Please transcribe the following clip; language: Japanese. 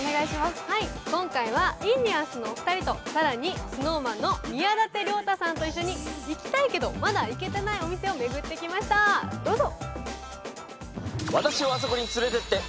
今回はインディアンスのお二人、更にＳｎｏｗＭａｎの宮舘涼太さんと一緒に、行きたいけど、まだ行けてないお店を巡ってきました、どうぞ。